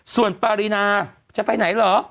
ส่วนปารีนาจะไปไหนเหรอ